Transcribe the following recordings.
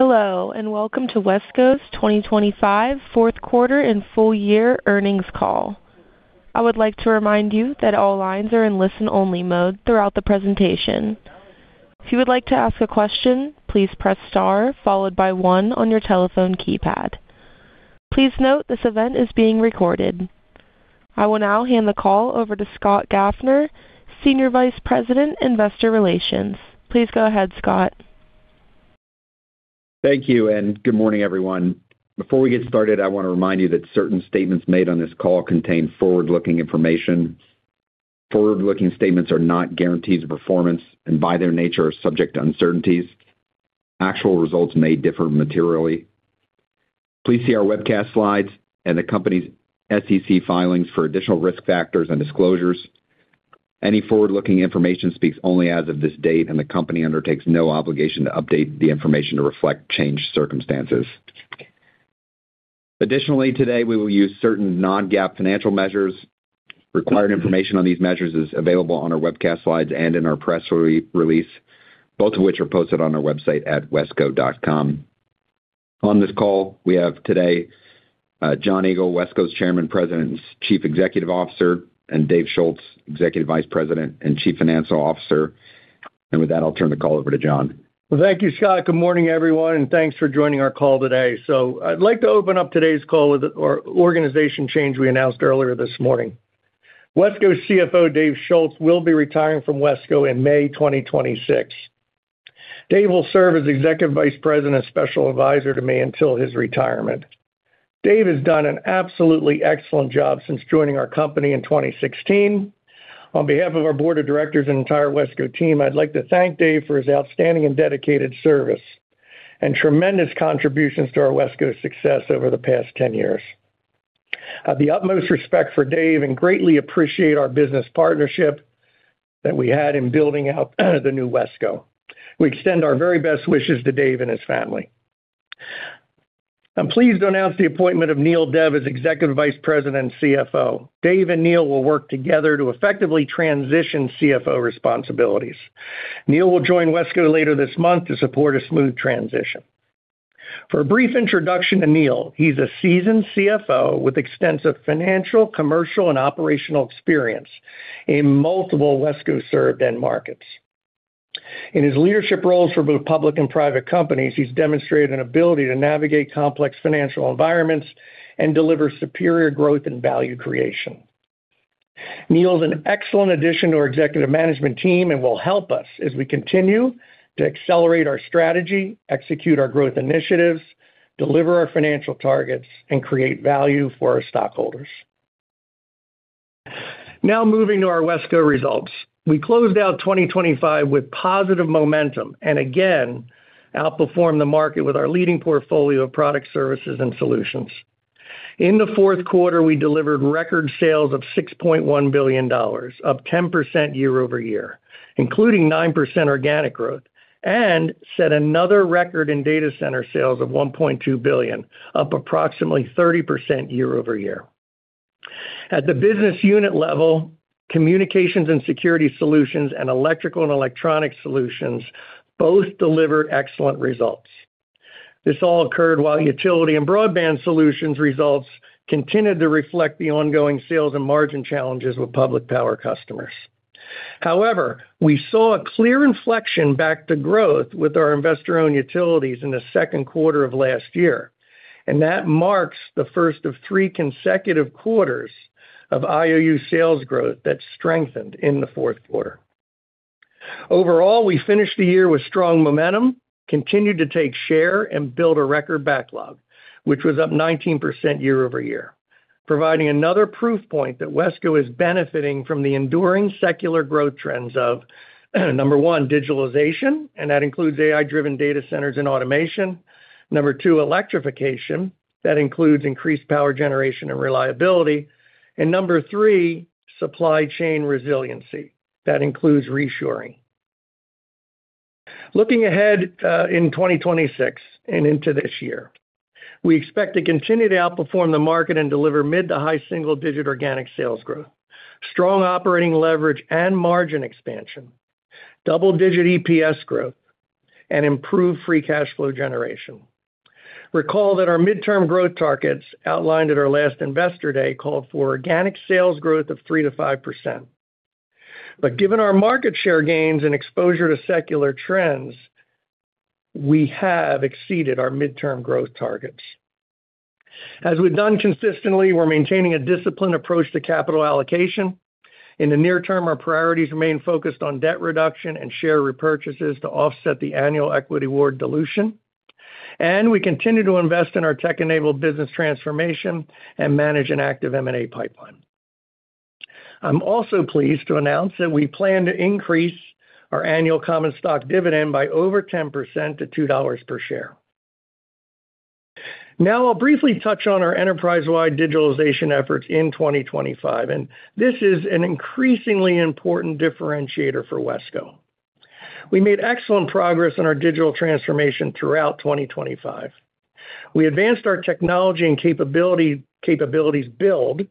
Hello and welcome to WESCO's 2025 fourth quarter and full year earnings call. I would like to remind you that all lines are in listen-only mode throughout the presentation. If you would like to ask a question, please press star followed by 1 on your telephone keypad. Please note this event is being recorded. I will now hand the call over to Scott Gaffner, Senior Vice President, Investor Relations. Please go ahead, Scott. Thank you and good morning, everyone. Before we get started, I want to remind you that certain statements made on this call contain forward-looking information. Forward-looking statements are not guarantees of performance and, by their nature, are subject to uncertainties. Actual results may differ materially. Please see our webcast slides and the company's SEC filings for additional risk factors and disclosures. Any forward-looking information speaks only as of this date, and the company undertakes no obligation to update the information to reflect changed circumstances. Additionally, today we will use certain Non-GAAP financial measures. Required information on these measures is available on our webcast slides and in our press release, both of which are posted on our website at wesco.com. On this call, we have today John Engel, WESCO's Chairman, President, Chief Executive Officer, and Dave Schulz, Executive Vice President and Chief Financial Officer. With that, I'll turn the call over to John. Well, thank you, Scott. Good morning, everyone, and thanks for joining our call today. I'd like to open up today's call with the organization change we announced earlier this morning. WESCO's CFO, Dave Schulz, will be retiring from WESCO in May 2026. Dave will serve as Executive Vice President Special Advisor to me until his retirement. Dave has done an absolutely excellent job since joining our company in 2016. On behalf of our board of directors and entire WESCO team, I'd like to thank Dave for his outstanding and dedicated service and tremendous contributions to our WESCO's success over the past 10 years. I have the utmost respect for Dave and greatly appreciate our business partnership that we had in building out the new WESCO. We extend our very best wishes to Dave and his family. I'm pleased to announce the appointment of Neil Dev as Executive Vice President and CFO. Dave and Neil will work together to effectively transition CFO responsibilities. Neil will join WESCO later this month to support a smooth transition. For a brief introduction to Neil, he's a seasoned CFO with extensive financial, commercial, and operational experience in multiple WESCO-served end markets. In his leadership roles for both public and private companies, he's demonstrated an ability to navigate complex financial environments and deliver superior growth and value creation. Neil's an excellent addition to our executive management team and will help us as we continue to accelerate our strategy, execute our growth initiatives, deliver our financial targets, and create value for our stockholders. Now moving to our WESCO results. We closed out 2025 with positive momentum and, again, outperformed the market with our leading portfolio of products, services, and solutions. In the fourth quarter, we delivered record sales of $6.1 billion, up 10% year-over-year, including 9% organic growth, and set another record in data center sales of $1.2 billion, up approximately 30% year-over-year. At the business unit level, Communications and Security Solutions, and Electrical and Electronic Solutions both delivered excellent results. This all occurred while Utility and Broadband Solutions results continued to reflect the ongoing sales and margin challenges with Public Power customers. However, we saw a clear inflection back to growth with our Investor-Owned Utilities in the second quarter of last year, and that marks the first of three consecutive quarters of IOU sales growth that strengthened in the fourth quarter. Overall, we finished the year with strong momentum, continued to take share, and built a record backlog, which was up 19% year-over-year, providing another proof point that WESCO is benefiting from the enduring secular growth trends of, number one, digitalization, and that includes AI-driven data centers and automation. Number two, electrification, that includes increased power generation and reliability; and number three, supply chain resiliency, that includes reshoring. Looking ahead in 2026 and into this year, we expect to continue to outperform the market and deliver mid- to high single-digit organic sales growth, strong operating leverage and margin expansion, double-digit EPS growth, and improved free cash flow generation. Recall that our midterm growth targets outlined at our last investor day called for organic sales growth of 3%-5%. But given our market share gains and exposure to secular trends, we have exceeded our midterm growth targets. As we've done consistently, we're maintaining a disciplined approach to capital allocation. In the near term, our priorities remain focused on debt reduction and share repurchases to offset the annual equity award dilution. We continue to invest in our tech-enabled business transformation and manage an active M&A pipeline. I'm also pleased to announce that we plan to increase our annual common stock dividend by over 10% to $2 per share. Now I'll briefly touch on our enterprise-wide digitalization efforts in 2025, and this is an increasingly important differentiator for WESCO. We made excellent progress in our digital transformation throughout 2025. We advanced our technology and capabilities build,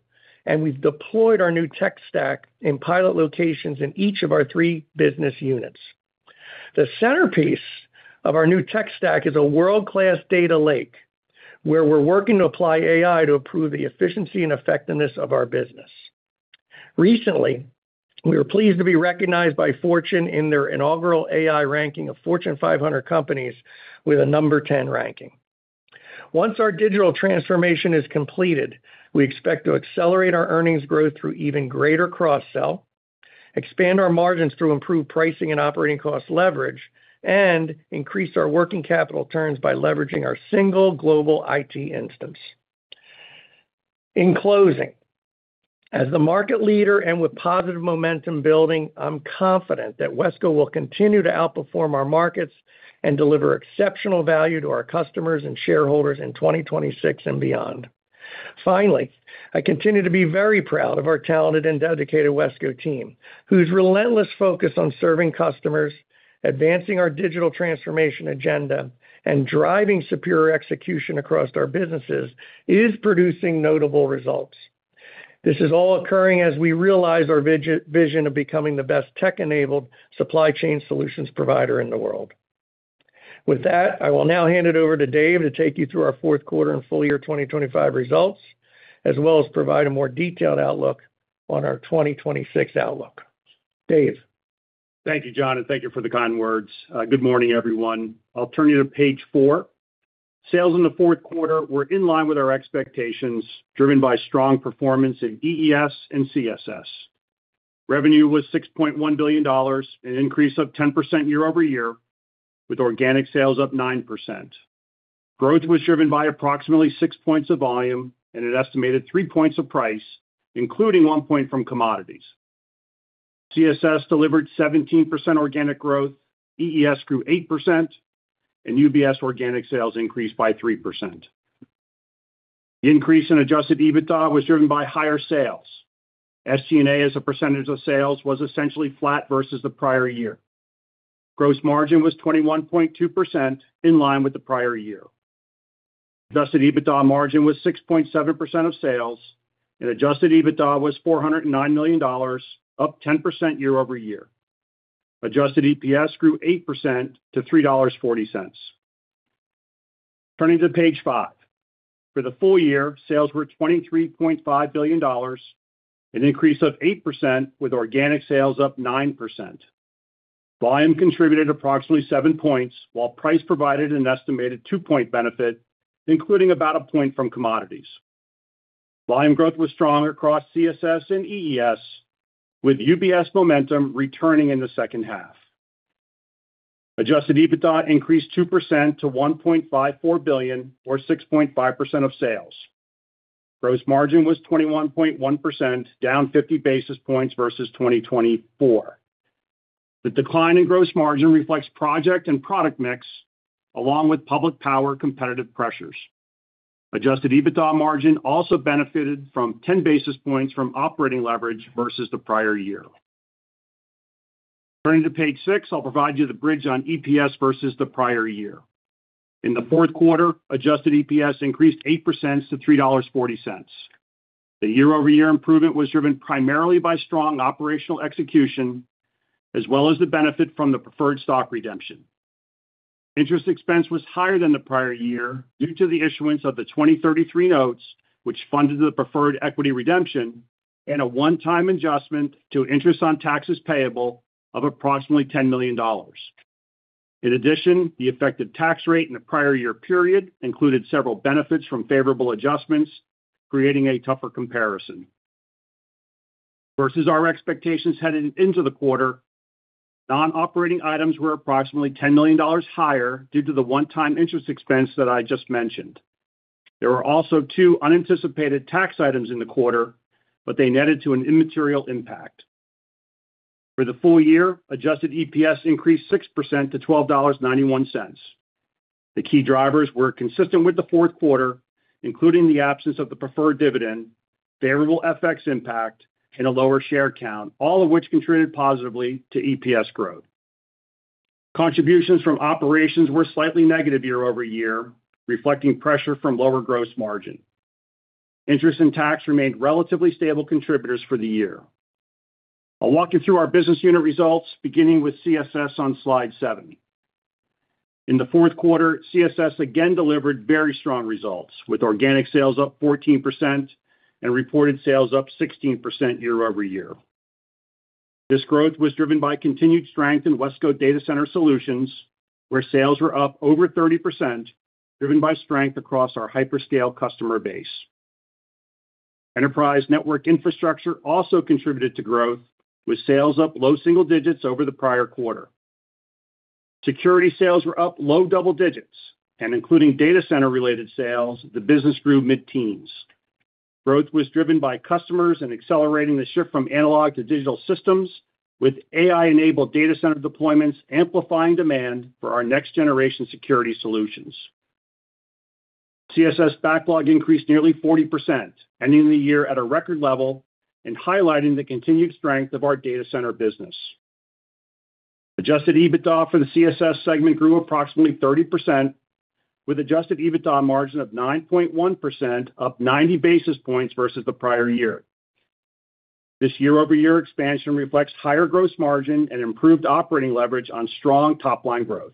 and we've deployed our new tech stack in pilot locations in each of our three business units. The centerpiece of our new tech stack is a world-class data lake where we're working to apply AI to improve the efficiency and effectiveness of our business. Recently, we were pleased to be recognized by Fortune in their inaugural AI ranking of Fortune 500 companies with a number 10 ranking. Once our digital transformation is completed, we expect to accelerate our earnings growth through even greater cross-sell, expand our margins through improved pricing and operating cost leverage, and increase our working capital turns by leveraging our single global IT instance. In closing, as the market leader and with positive momentum building, I'm confident that WESCO will continue to outperform our markets and deliver exceptional value to our customers and shareholders in 2026 and beyond. Finally, I continue to be very proud of our talented and dedicated WESCO team, whose relentless focus on serving customers, advancing our digital transformation agenda, and driving superior execution across our businesses is producing notable results. This is all occurring as we realize our vision of becoming the best tech-enabled supply chain solutions provider in the world. With that, I will now hand it over to Dave to take you through our fourth quarter and full year 2025 results, as well as provide a more detailed outlook on our 2026 outlook. Dave. Thank you, John, and thank you for the kind words. Good morning, everyone. I'll turn you to page four. Sales in the fourth quarter were in line with our expectations, driven by strong performance in EES and CSS. Revenue was $6.1 billion, an increase of 10% year-over-year, with organic sales up 9%. Growth was driven by approximately six points of volume and an estimated three points of price, including one point from commodities. CSS delivered 17% organic growth, EES grew 8%, and UBS organic sales increased by 3%. The increase in Adjusted EBITDA was driven by higher sales. SG&A as a percentage of sales was essentially flat versus the prior year. Gross margin was 21.2% in line with the prior year. Adjusted EBITDA margin was 6.7% of sales, and Adjusted EBITDA was $409 million, up 10% year-over-year. Adjusted EPS grew 8% to $3.40. Turning to page five. For the full year, sales were $23.5 billion, an increase of 8% with organic sales up 9%. Volume contributed approximately seven points, while price provided an estimated two-point benefit, including about a point from commodities. Volume growth was strong across CSS and EES, with UBS momentum returning in the second half. Adjusted EBITDA increased 2% to $1.54 billion, or 6.5% of sales. Gross margin was 21.1%, down 50 basis points versus 2024. The decline in gross margin reflects project and product mix, along with public power competitive pressures. Adjusted EBITDA margin also benefited from 10 basis points from operating leverage versus the prior year. Turning to page six, I'll provide you the bridge on EPS versus the prior year. In the fourth quarter, adjusted EPS increased 8% to $3.40. The year-over-year improvement was driven primarily by strong operational execution, as well as the benefit from the preferred stock redemption. Interest expense was higher than the prior year due to the issuance of the 2033 notes, which funded the preferred equity redemption, and a one-time adjustment to interest on taxes payable of approximately $10 million. In addition, the effective tax rate in the prior year period included several benefits from favorable adjustments, creating a tougher comparison. Versus our expectations headed into the quarter, non-operating items were approximately $10 million higher due to the one-time interest expense that I just mentioned. There were also two unanticipated tax items in the quarter, but they netted to an immaterial impact. For the full year, adjusted EPS increased 6% to $12.91. The key drivers were consistent with the fourth quarter, including the absence of the preferred dividend, favorable FX impact, and a lower share count, all of which contributed positively to EPS growth. Contributions from operations were slightly negative year-over-year, reflecting pressure from lower gross margin. Interest and tax remained relatively stable contributors for the year. I'll walk you through our business unit results, beginning with CSS on slide 7. In the fourth quarter, CSS again delivered very strong results, with organic sales up 14% and reported sales up 16% year-over-year. This growth was driven by continued strength in Wesco Data Center Solutions, where sales were up over 30%, driven by strength across our hyperscale customer base. Enterprise network infrastructure also contributed to growth, with sales up low single digits over the prior quarter. Security sales were up low double digits, and including data center-related sales, the business grew mid-teens. Growth was driven by customers and accelerating the shift from analog to digital systems, with AI-enabled data center deployments amplifying demand for our next-generation security solutions. CSS backlog increased nearly 40%, ending the year at a record level and highlighting the continued strength of our data center business. Adjusted EBITDA for the CSS segment grew approximately 30%, with Adjusted EBITDA margin of 9.1%, up 90 basis points versus the prior year. This year-over-year expansion reflects higher gross margin and improved operating leverage on strong top-line growth.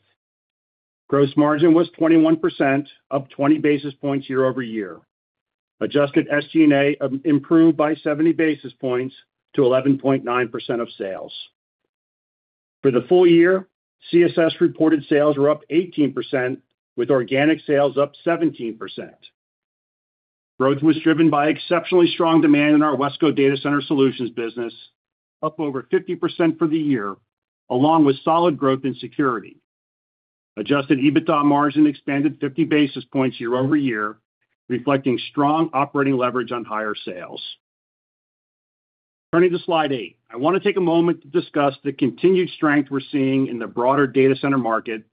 Gross margin was 21%, up 20 basis points year-over-year. Adjusted SG&A improved by 70 basis points to 11.9% of sales. For the full year, CSS reported sales were up 18%, with organic sales up 17%. Growth was driven by exceptionally strong demand in our Wesco Data Center Solutions business, up over 50% for the year, along with solid growth in security. Adjusted EBITDA margin expanded 50 basis points year-over-year, reflecting strong operating leverage on higher sales. Turning to slide 8, I want to take a moment to discuss the continued strength we're seeing in the broader data center market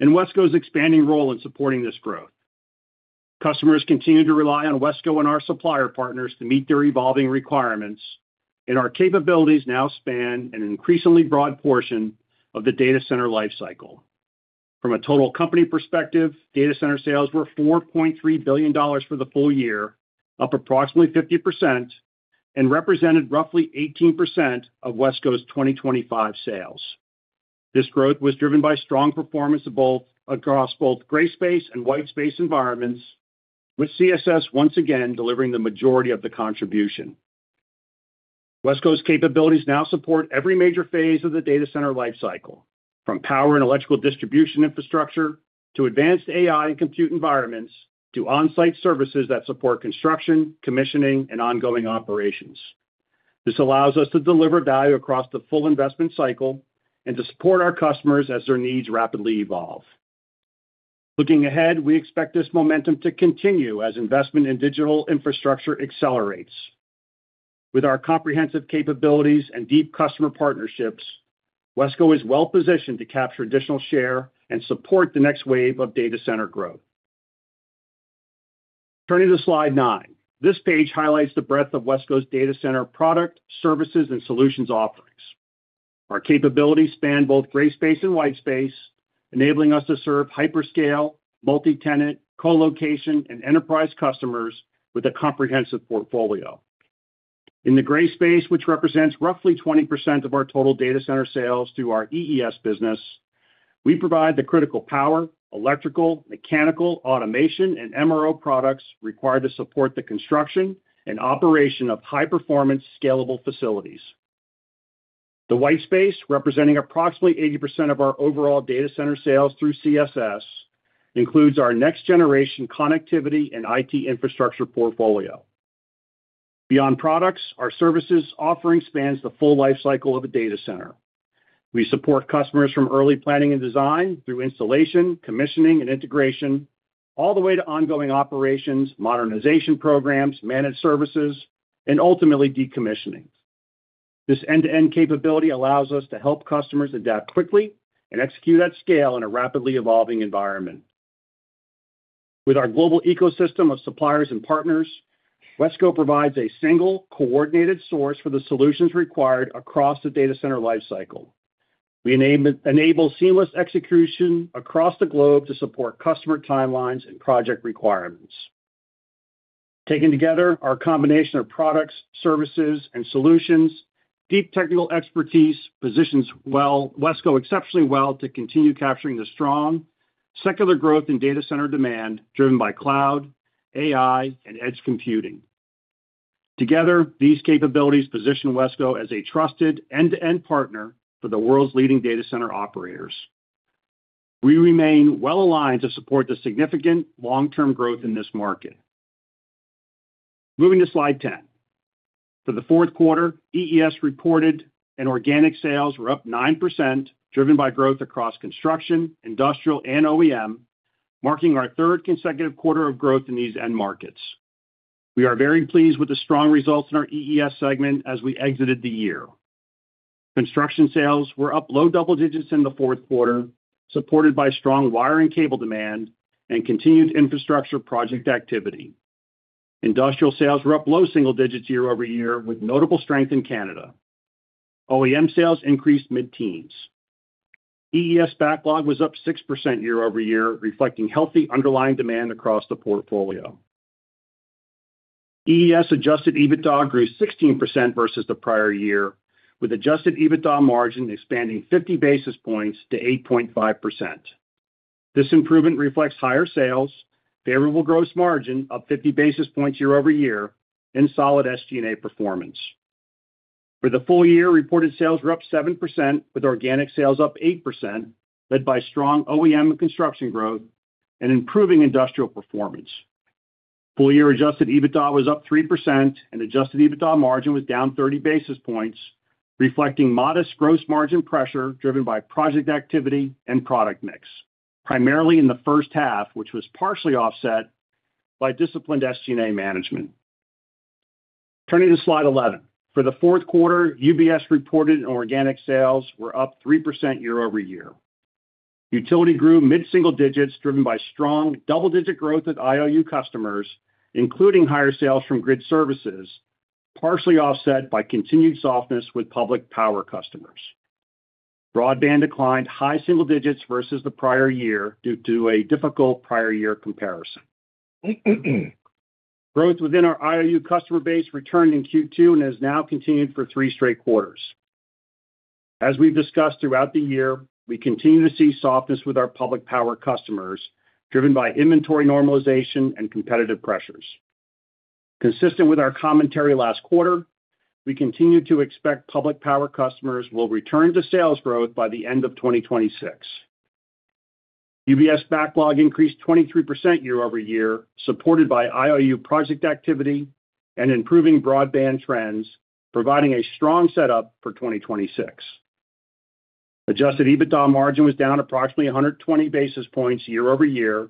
and Wesco's expanding role in supporting this growth. Customers continue to rely on Wesco and our supplier partners to meet their evolving requirements, and our capabilities now span an increasingly broad portion of the data center lifecycle. From a total company perspective, data center sales were $4.3 billion for the full year, up approximately 50%, and represented roughly 18% of Wesco's 2025 sales. This growth was driven by strong performance across both Gray Space and White Space environments, with CSS once again delivering the majority of the contribution. WESCO's capabilities now support every major phase of the data center lifecycle, from power and electrical distribution infrastructure to advanced AI and compute environments to on-site services that support construction, commissioning, and ongoing operations. This allows us to deliver value across the full investment cycle and to support our customers as their needs rapidly evolve. Looking ahead, we expect this momentum to continue as investment in digital infrastructure accelerates. With our comprehensive capabilities and deep customer partnerships, WESCO is well-positioned to capture additional share and support the next wave of data center growth. Turning to slide nine. This page highlights the breadth of WESCO's data center product, services, and solutions offerings. Our capabilities span both gray space and white space, enabling us to serve hyperscale, multi-tenant, co-location, and enterprise customers with a comprehensive portfolio. In the gray space, which represents roughly 20% of our total data center sales through our EES business, we provide the critical power, electrical, mechanical, automation, and MRO products required to support the construction and operation of high-performance, scalable facilities. The white space, representing approximately 80% of our overall data center sales through CSS, includes our next-generation connectivity and IT infrastructure portfolio. Beyond products, our services offering spans the full lifecycle of a data center. We support customers from early planning and design through installation, commissioning, and integration, all the way to ongoing operations, modernization programs, managed services, and ultimately decommissioning. This end-to-end capability allows us to help customers adapt quickly and execute at scale in a rapidly evolving environment. With our global ecosystem of suppliers and partners, WESCO provides a single, coordinated source for the solutions required across the data center lifecycle. We enable seamless execution across the globe to support customer timelines and project requirements. Taken together, our combination of products, services, and solutions, deep technical expertise, positions WESCO exceptionally well to continue capturing the strong, secular growth in data center demand driven by cloud, AI, and edge computing. Together, these capabilities position WESCO as a trusted end-to-end partner for the world's leading data center operators. We remain well-aligned to support the significant long-term growth in this market. Moving to slide 10. For the fourth quarter, EES reported, and organic sales were up 9%, driven by growth across construction, industrial, and OEM, marking our third consecutive quarter of growth in these end markets. We are very pleased with the strong results in our EES segment as we exited the year. Construction sales were up low double digits in the fourth quarter, supported by strong wire and cable demand and continued infrastructure project activity. Industrial sales were up low single digits year-over-year, with notable strength in Canada. OEM sales increased mid-teens. EES backlog was up 6% year-over-year, reflecting healthy underlying demand across the portfolio. EES Adjusted EBITDA grew 16% versus the prior year, with Adjusted EBITDA margin expanding 50 basis points to 8.5%. This improvement reflects higher sales, favorable gross margin up 50 basis points year-over-year, and solid SG&A performance. For the full year, reported sales were up 7%, with organic sales up 8%, led by strong OEM and construction growth and improving industrial performance. Full-year Adjusted EBITDA was up 3%, and Adjusted EBITDA margin was down 30 basis points, reflecting modest gross margin pressure driven by project activity and product mix, primarily in the first half, which was partially offset by disciplined SG&A management. Turning to slide 11. For the fourth quarter, UBS reported and organic sales were up 3% year-over-year. Utility grew mid-single digits, driven by strong double-digit growth at IOU customers, including higher sales from grid services, partially offset by continued softness with public power customers. Broadband declined high single digits versus the prior year due to a difficult prior-year comparison. Growth within our IOU customer base returned in Q2 and has now continued for three straight quarters. As we've discussed throughout the year, we continue to see softness with our public power customers, driven by inventory normalization and competitive pressures. Consistent with our commentary last quarter, we continue to expect public power customers will return to sales growth by the end of 2026. UBS backlog increased 23% year-over-year, supported by IOU project activity and improving broadband trends, providing a strong setup for 2026. Adjusted EBITDA margin was down approximately 120 basis points year-over-year,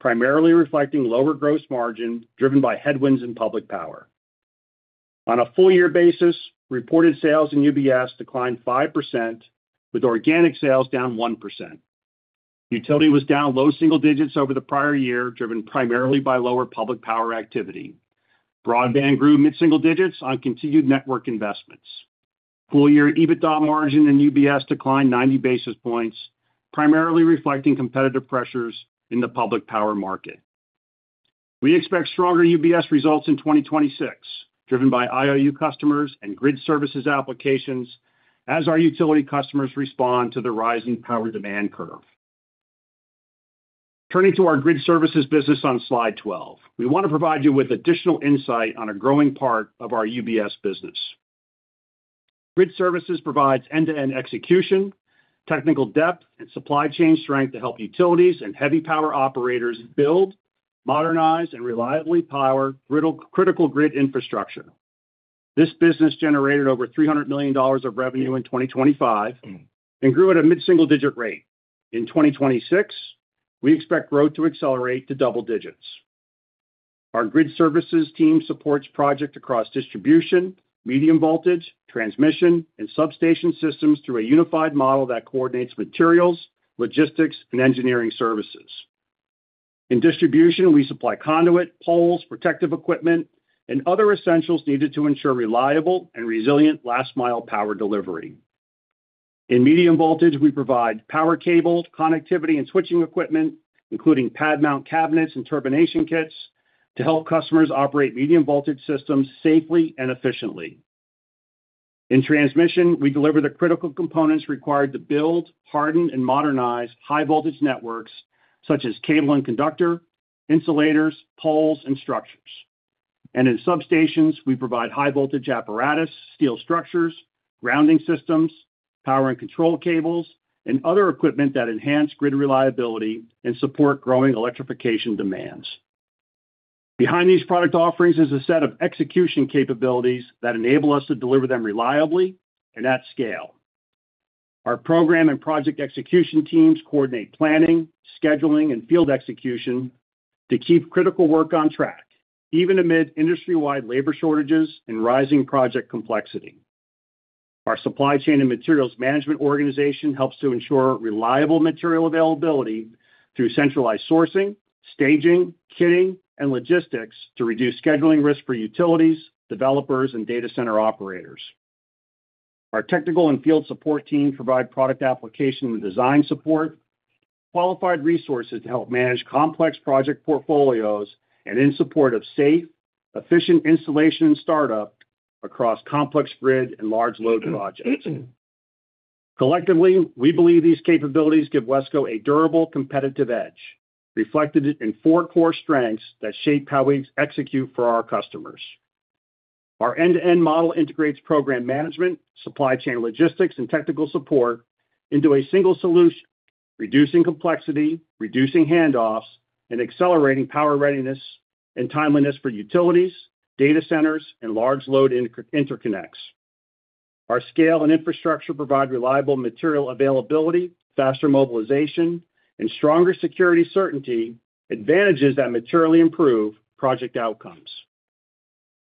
primarily reflecting lower gross margin driven by headwinds in public power. On a full-year basis, reported sales in UBS declined 5%, with organic sales down 1%. Utility was down low single digits over the prior year, driven primarily by lower public power activity. Broadband grew mid-single digits on continued network investments. Full-year EBITDA margin in UBS declined 90 basis points, primarily reflecting competitive pressures in the public power market. We expect stronger UBS results in 2026, driven by IOU customers and grid services applications as our utility customers respond to the rising power demand curve. Turning to our grid services business on slide 12, we want to provide you with additional insight on a growing part of our UBS business. Grid services provides end-to-end execution, technical depth, and supply chain strength to help utilities and heavy power operators build, modernize, and reliably power critical grid infrastructure. This business generated over $300 million of revenue in 2025 and grew at a mid-single-digit rate. In 2026, we expect growth to accelerate to double digits. Our grid services team supports projects across distribution, Medium Voltage, transmission, and substation systems through a unified model that coordinates materials, logistics, and engineering services. In distribution, we supply conduit, poles, protective equipment, and other essentials needed to ensure reliable and resilient last-mile power delivery. In Medium Voltage, we provide power cable, connectivity, and switching equipment, including pad-mount cabinets and termination kits, to help customers operate Medium Voltage systems safely and efficiently. In transmission, we deliver the critical components required to build, harden, and modernize high-voltage networks such as cable and conductor, insulators, poles, and structures. In substations, we provide high-voltage apparatus, steel structures, grounding systems, power and control cables, and other equipment that enhance grid reliability and support growing electrification demands. Behind these product offerings is a set of execution capabilities that enable us to deliver them reliably and at scale. Our program and project execution teams coordinate planning, scheduling, and field execution to keep critical work on track, even amid industry-wide labor shortages and rising project complexity. Our supply chain and materials management organization helps to ensure reliable material availability through centralized sourcing, staging, kitting, and logistics to reduce scheduling risk for utilities, developers, and data center operators. Our technical and field support team provide product application and design support, qualified resources to help manage complex project portfolios and in support of safe, efficient installation and startup across complex grid and large load projects. Collectively, we believe these capabilities give WESCO a durable, competitive edge, reflected in four core strengths that shape how we execute for our customers. Our end-to-end model integrates program management, supply chain logistics, and technical support into a single solution, reducing complexity, reducing handoffs, and accelerating power readiness and timeliness for utilities, data centers, and large load interconnects. Our scale and infrastructure provide reliable material availability, faster mobilization, and stronger security certainty, advantages that materially improve project outcomes.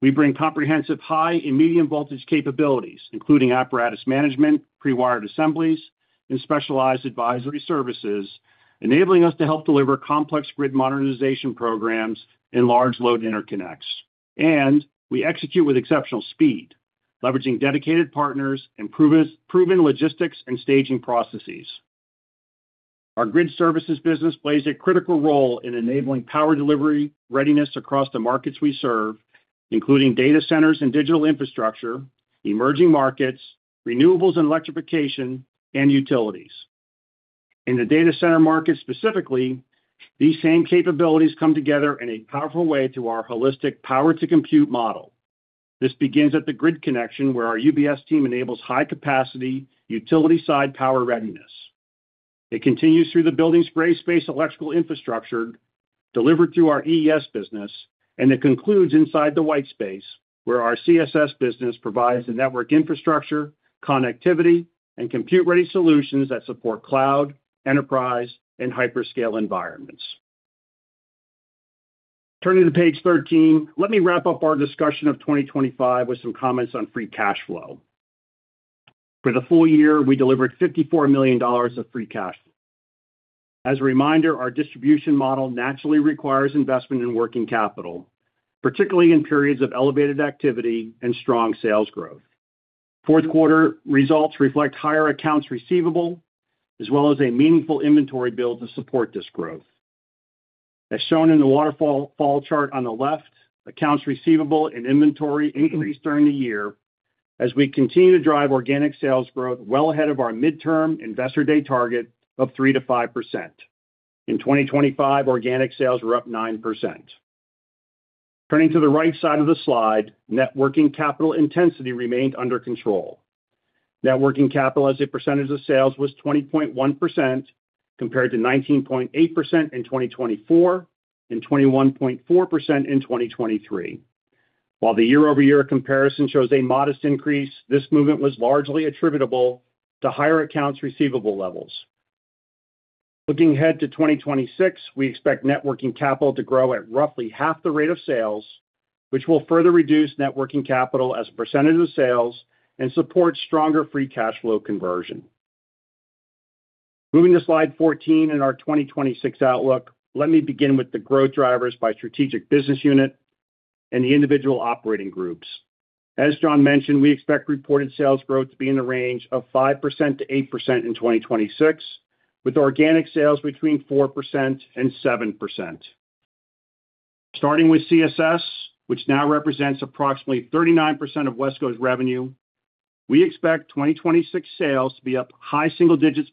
We bring comprehensive high and medium voltage capabilities, including apparatus management, prewired assemblies, and specialized advisory services, enabling us to help deliver complex grid modernization programs and large load interconnects. We execute with exceptional speed, leveraging dedicated partners and proven logistics and staging processes. Our grid services business plays a critical role in enabling power delivery readiness across the markets we serve, including data centers and digital infrastructure, emerging markets, renewables and electrification, and utilities. In the data center market specifically, these same capabilities come together in a powerful way through our holistic power-to-compute model. This begins at the grid connection, where our UBS team enables high-capacity utility-side power readiness. It continues through the building's Gray Space electrical infrastructure, delivered through our EES business, and it concludes inside the White Space, where our CSS business provides the network infrastructure, connectivity, and compute-ready solutions that support cloud, enterprise, and hyperscale environments. Turning to page 13, let me wrap up our discussion of 2025 with some comments on free cash flow. For the full year, we delivered $54 million of free cash flow. As a reminder, our distribution model naturally requires investment in working capital, particularly in periods of elevated activity and strong sales growth. Fourth quarter results reflect higher accounts receivable as well as a meaningful inventory build to support this growth. As shown in the waterfall chart on the left, accounts receivable and inventory increased during the year as we continue to drive organic sales growth well ahead of our midterm investor day target of 3% to 5%. In 2025, organic sales were up 9%. Turning to the right side of Net Working Capital intensity remained Net Working Capital as a percentage of sales was 20.1% compared to 19.8% in 2024 and 21.4% in 2023. While the year-over-year comparison shows a modest increase, this movement was largely attributable to higher accounts receivable levels. Looking ahead to 2026, Net Working Capital to grow at roughly half the rate of sales, which will Net Working Capital as a percentage of sales and support stronger Free Cash Flow conversion. Moving to slide 14 in our 2026 outlook, let me begin with the growth drivers by strategic business unit and the individual operating groups. As John mentioned, we expect reported sales growth to be in the range of 5% to 8% in 2026, with organic sales between 4% and 7%. Starting with CSS, which now represents approximately 39% of WESCO's revenue, we expect 2026 sales to be up high single digits+.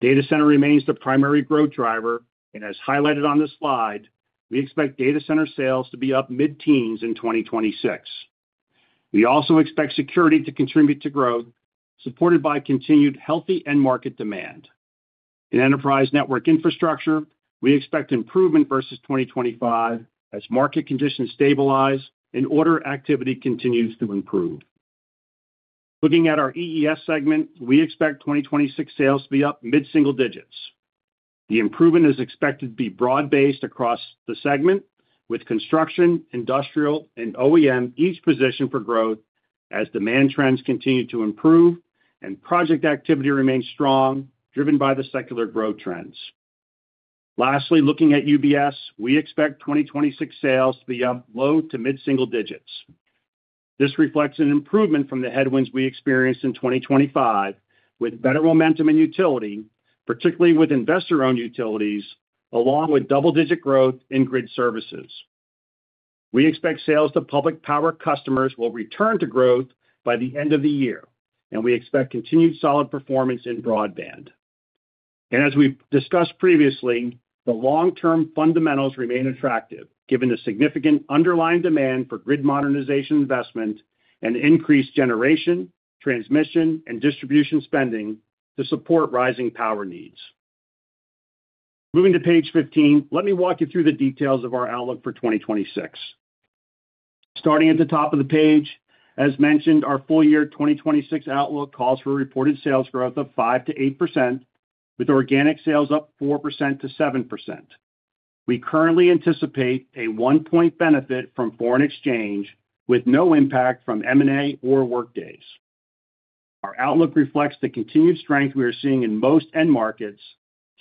Data center remains the primary growth driver, and as highlighted on this slide, we expect data center sales to be up mid-teens in 2026. We also expect security to contribute to growth, supported by continued healthy end-market demand. In enterprise network infrastructure, we expect improvement versus 2025 as market conditions stabilize and order activity continues to improve. Looking at our EES segment, we expect 2026 sales to be up mid-single digits. The improvement is expected to be broad-based across the segment, with construction, industrial, and OEM each positioned for growth as demand trends continue to improve and project activity remains strong, driven by the secular growth trends. Lastly, looking at UBS, we expect 2026 sales to be up low to mid-single digits. This reflects an improvement from the headwinds we experienced in 2025, with better momentum in utility, particularly with Investor-Owned Utilities, along with double-digit growth in Grid Services. We expect sales to Public Power customers will return to growth by the end of the year, and we expect continued solid performance in broadband. And as we've discussed previously, the long-term fundamentals remain attractive given the significant underlying demand for grid modernization investment and increased generation, transmission, and distribution spending to support rising power needs. Moving to page 15, let me walk you through the details of our outlook for 2026. Starting at the top of the page, as mentioned, our full-year 2026 outlook calls for reported sales growth of 5% to 8%, with organic sales up 4% to 7%. We currently anticipate a one-point benefit from foreign exchange with no impact from M&A or workdays. Our outlook reflects the continued strength we are seeing in most end markets,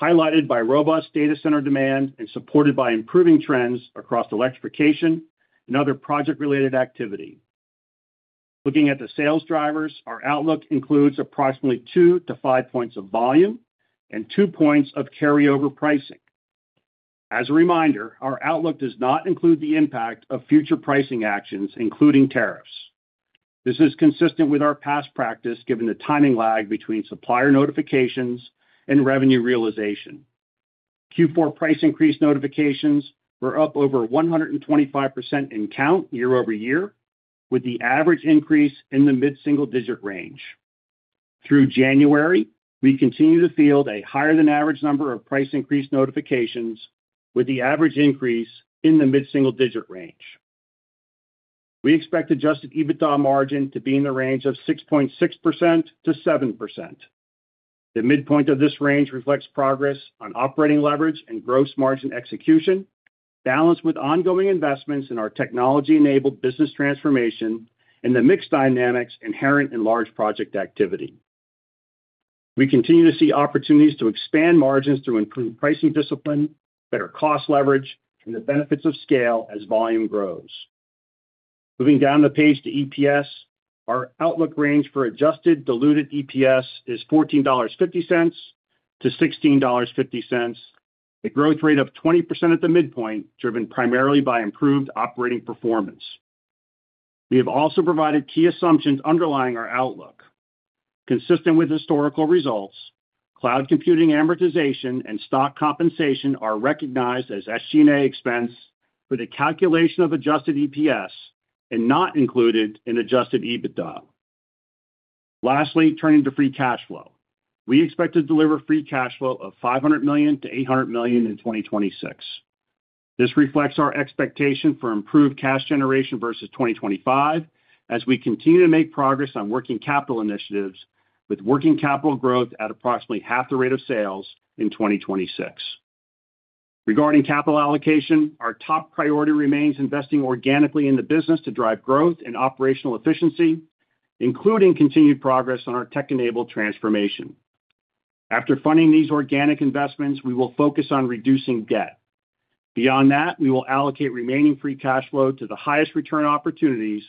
highlighted by robust data center demand and supported by improving trends across electrification and other project-related activity. Looking at the sales drivers, our outlook includes approximately 2 to 5 points of volume and 2 points of carryover pricing. As a reminder, our outlook does not include the impact of future pricing actions, including tariffs. This is consistent with our past practice given the timing lag between supplier notifications and revenue realization. Q4 price increase notifications were up over 125% in count year over year, with the average increase in the mid-single digit range. Through January, we continue to field a higher-than-average number of price increase notifications, with the average increase in the mid-single digit range. We expect Adjusted EBITDA margin to be in the range of 6.6% to 7%. The midpoint of this range reflects progress on operating leverage and gross margin execution, balanced with ongoing investments in our technology-enabled business transformation and the mixed dynamics inherent in large project activity. We continue to see opportunities to expand margins through improved pricing discipline, better cost leverage, and the benefits of scale as volume grows. Moving down the page to EPS, our outlook range for adjusted diluted EPS is $14.50-$16.50, a growth rate of 20% at the midpoint driven primarily by improved operating performance. We have also provided key assumptions underlying our outlook. Consistent with historical results, cloud computing amortization and stock compensation are recognized as SG&A expense for the calculation of adjusted EPS and not included in Adjusted EBITDA. Lastly, turning to free cash flow, we expect to deliver free cash flow of $500 million to $800 million in 2026. This reflects our expectation for improved cash generation versus 2025 as we continue to make progress on working capital initiatives, with working capital growth at approximately half the rate of sales in 2026. Regarding capital allocation, our top priority remains investing organically in the business to drive growth and operational efficiency, including continued progress on our tech-enabled transformation. After funding these organic investments, we will focus on reducing debt. Beyond that, we will allocate remaining free cash flow to the highest return opportunities,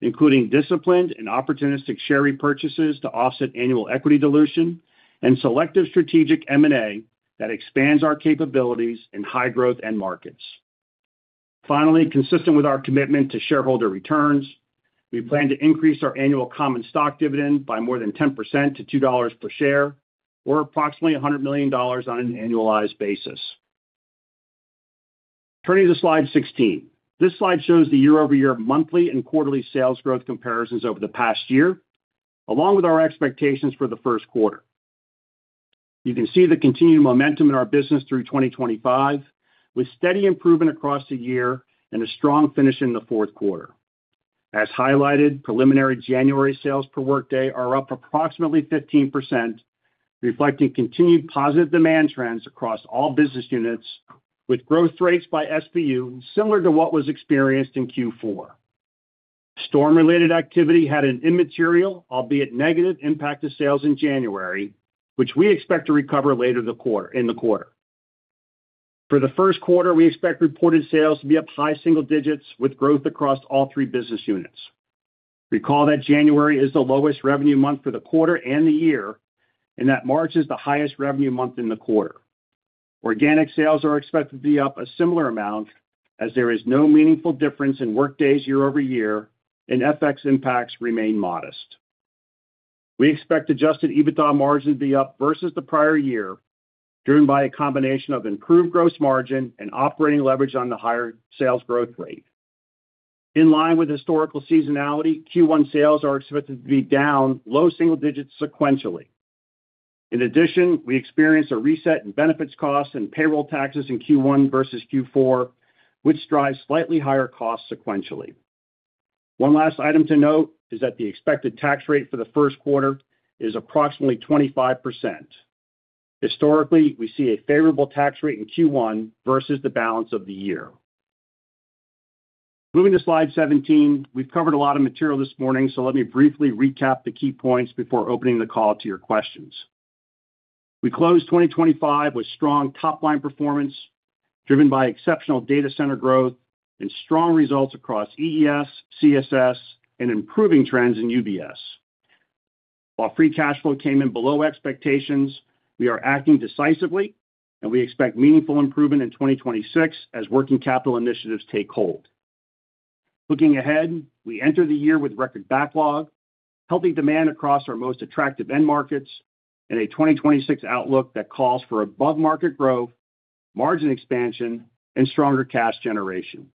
including disciplined and opportunistic share repurchases to offset annual equity dilution and selective strategic M&A that expands our capabilities in high growth end markets. Finally, consistent with our commitment to shareholder returns, we plan to increase our annual common stock dividend by more than 10% to $2 per share, or approximately $100 million on an annualized basis. Turning to slide 16, this slide shows the year-over-year monthly and quarterly sales growth comparisons over the past year, along with our expectations for the first quarter. You can see the continued momentum in our business through 2025, with steady improvement across the year and a strong finish in the fourth quarter. As highlighted, preliminary January sales per workday are up approximately 15%, reflecting continued positive demand trends across all business units, with growth rates by SBU similar to what was experienced in Q4. Storm-related activity had an immaterial, albeit negative, impact to sales in January, which we expect to recover later in the quarter. For the first quarter, we expect reported sales to be up high single digits, with growth across all three business units. Recall that January is the lowest revenue month for the quarter and the year, and that March is the highest revenue month in the quarter. Organic sales are expected to be up a similar amount, as there is no meaningful difference in workdays year over year, and FX impacts remain modest. We expect Adjusted EBITDA margin to be up versus the prior year, driven by a combination of improved gross margin and operating leverage on the higher sales growth rate. In line with historical seasonality, Q1 sales are expected to be down low single digits sequentially. In addition, we experienced a reset in benefits costs and payroll taxes in Q1 versus Q4, which drives slightly higher costs sequentially. One last item to note is that the expected tax rate for the first quarter is approximately 25%. Historically, we see a favorable tax rate in Q1 versus the balance of the year. Moving to slide 17, we've covered a lot of material this morning, so let me briefly recap the key points before opening the call to your questions. We closed 2025 with strong top-line performance, driven by exceptional data center growth and strong results across EES, CSS, and improving trends in UBS. While free cash flow came in below expectations, we are acting decisively, and we expect meaningful improvement in 2026 as working capital initiatives take hold. Looking ahead, we enter the year with record backlog, healthy demand across our most attractive end markets, and a 2026 outlook that calls for above-market growth, margin expansion, and stronger cash generation.